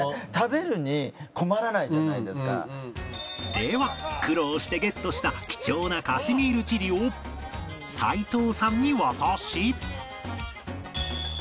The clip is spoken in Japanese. では苦労してゲットした貴重なカシミールチリを齋藤さんに渡し